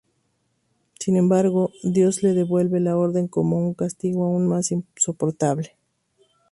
Sin embargo Dios le devuelve el orden como un castigo aún más insoportable.